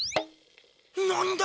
なんだ？